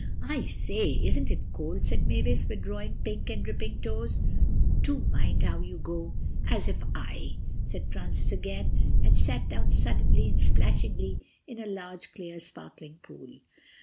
"I say, isn't it cold," said Mavis, withdrawing pink and dripping toes; "do mind how you go—" "As if I—" said Francis, again, and sat down suddenly and splashingly in a large, clear sparkling pool.